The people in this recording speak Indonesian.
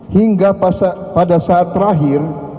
hingga pada saat terakhir